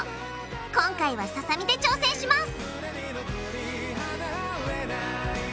今回はささみで挑戦します！